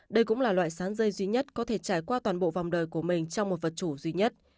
đây cũng là loại sán dây duy nhất có thể trải qua toàn bộ vòng đời của mình trong một vật chủ duy nhất